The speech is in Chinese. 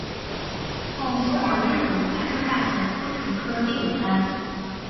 后送往日本法政大学速成科第五班。